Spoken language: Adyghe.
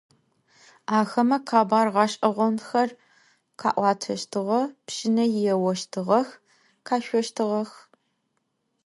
Axeme khebar ğeş'eğonxer kha'uateştığe, pşıne yêoştığex, khaşsoştığex.